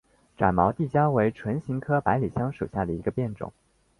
展毛地椒为唇形科百里香属下的一个变种。